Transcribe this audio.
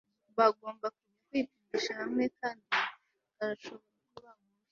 bagomba kujya kwipimisha hamwe. kandi arashobora kuba mubi